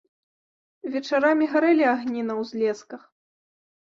Вечарамі гарэлі агні на ўзлесках.